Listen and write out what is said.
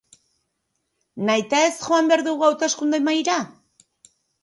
Nahitaez joan behar dugu hauteskunde-mahaira?